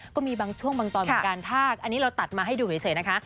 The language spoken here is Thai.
ก็มีบางช่วงบางตอนเหมือนกันถ้าอันนี้เราตัดมาให้ดูเฉยนะคะ